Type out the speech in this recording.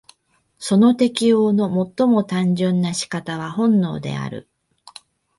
その適応の最も単純な仕方は本能である。